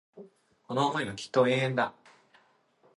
この思いはきっと永遠だ